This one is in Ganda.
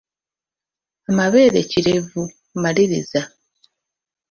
Amabeere kirevu, maliriza.